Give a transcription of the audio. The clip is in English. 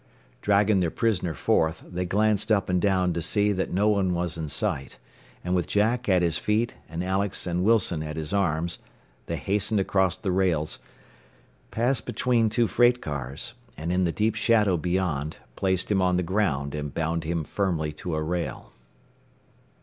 Dragging their prisoner forth, they glanced up and down to see that no one was in sight, and with Jack at his feet and Alex and Wilson at his arms, they hastened across the rails, passed between two freight cars, and in the deep shadow beyond placed him on the ground and bound him firmly to a rail.